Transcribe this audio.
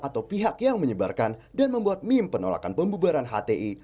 atau pihak yang menyebarkan dan membuat meme penolakan pembubaran hti